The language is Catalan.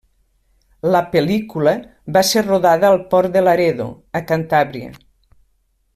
La pel·lícula va ser rodada al port de Laredo, a Cantàbria.